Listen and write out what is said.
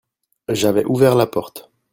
J'avais ouvert la porte.